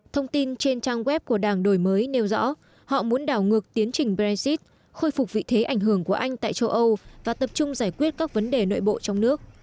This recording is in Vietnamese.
thông tin trên trang web của đảng đổi mới nêu rõ họ muốn đảo ngược tiến trình brexit khôi phục vị thế ảnh hưởng của anh tại châu âu và tập trung giải quyết các vấn đề nội bộ trong nước